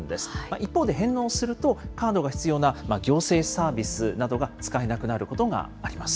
一方で、返納すると、カードが必要な行政サービスなどが使えなくなることがあります。